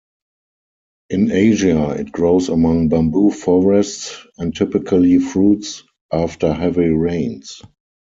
In Asia, it grows among bamboo forests, and typically fruits after heavy rains.